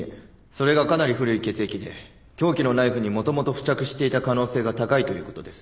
それがかなり古い血液で凶器のナイフにもともと付着していた可能性が高いということです。